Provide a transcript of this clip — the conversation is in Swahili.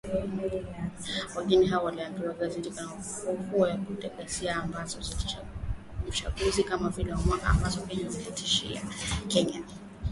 Wageni hao wameliambia gazeti kuwa wanahofia kutokea tena kwa ghasia za baada ya uchaguzi kama zile za mwaka ambazo ziliitikisa Kenya